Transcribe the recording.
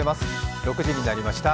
６時になりました。